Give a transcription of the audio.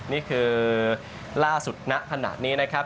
นี่คือล่าสุดณขณะนี้นะครับ